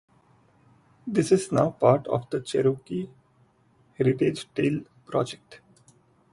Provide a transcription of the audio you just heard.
It is now part of the Cherokee Heritage Trail project.